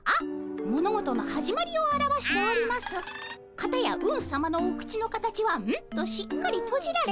かたやうんさまのお口の形は「ん」としっかりとじられて。